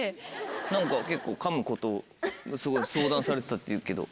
何か結構噛むことを相談されてたっていうけど。